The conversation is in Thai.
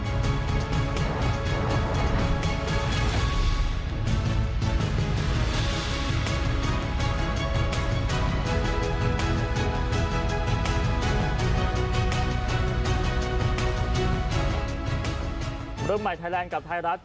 มุดฟ้ามัวดินยาวชนคนรุ่นใหม่ไปฟังคุณพิธาเปิดเวทีปราศัยกันที่๓นาที